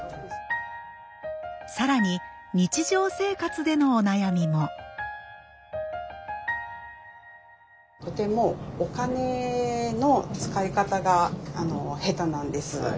更に日常生活でのお悩みもとてもお金の使い方が下手なんです。